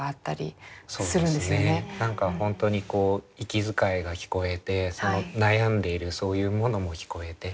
何か本当にこう息遣いが聞こえてその悩んでいるそういうものも聞こえて。